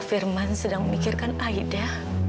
pak firman sedang memikirkan aida